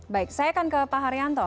baik saya akan ke pak haryanto